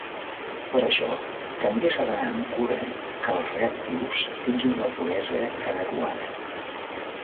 Per això també s’ha d'anar amb cura que els reactius tinguin la puresa adequada.